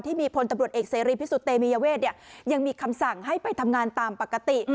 พลตำรวจเอกเสรีพิสุทธิเตมียเวทยังมีคำสั่งให้ไปทำงานตามปกติ